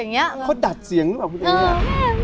เขาดัดเสียงแบบ